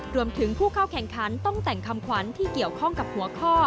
รวมถึงผู้เข้าแข่งขันต้องแต่งคำขวัญที่เกี่ยวข้องกับหัวข้อ